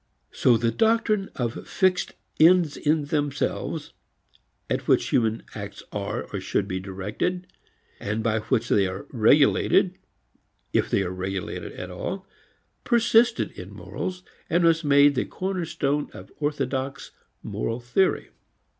So the doctrine of fixed ends in themselves at which human acts are or should be directed and by which they are regulated if they are regulated at all persisted in morals, and was made the cornerstone of orthodox moral theory.